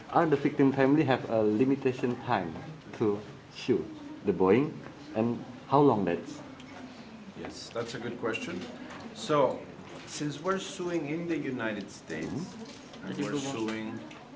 keluarga keluarga korban memiliki waktu yang berbatas untuk menembak boeing